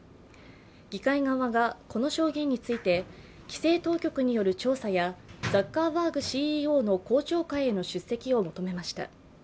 議会側はこの証言について、規制当局による調査やザッカーバーグＣＥＯの公聴会への出席を求めました。